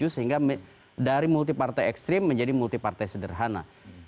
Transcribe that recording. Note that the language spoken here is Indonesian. sehingga dari multi partai ekstrim menjadi multi partai sederhana